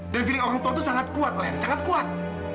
dan feeling orang tua tuh sangat kuat len sangat kuat